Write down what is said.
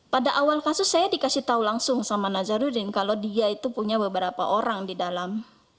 pada awal kasus saya dikasih tahu langsung sama nazarudin kalau dia itu punya beberapa orang di dalam